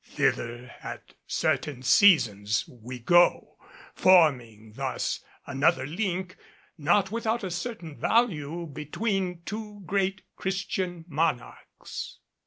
Thither, at certain seasons, we go; forming thus another link, not without a certain value, between two great Christian monarchs.